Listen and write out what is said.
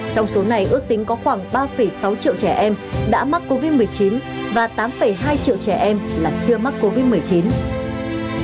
trong số này ước tính có khoảng ba sáu triệu trẻ em đã mắc covid một mươi chín và tám hai triệu trẻ em là chưa mắc covid một mươi chín